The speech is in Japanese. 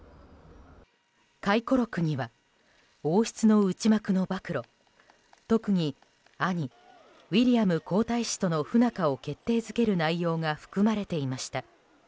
回顧録には、王室の内幕の暴露特に兄ウィリアム皇太子との不仲を決定づける内容が含まれていました。